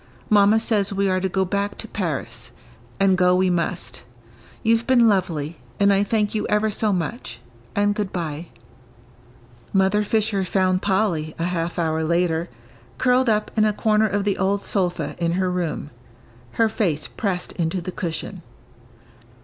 Mamma says we are to go back to Paris; and go we must. You've been lovely, and I thank you ever so much, and good by." Mother Fisher found Polly, a half hour later, curled up in a corner of the old sofa in her room, her face pressed into the cushion.